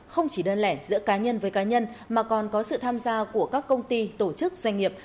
không chỉ đơn lẻ giữa cá nhân với cá nhân mà còn có sự tham gia của các công ty tổ chức doanh nghiệp